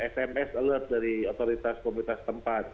sms alert dari otoritas komunitas tempat